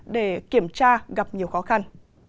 để kiểm tra gặp nhiều khó khăn